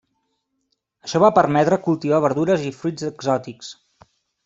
Això va permetre cultivar verdures i fruits exòtics.